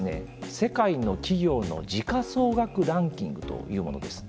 世界の企業の時価総額ランキングというものです。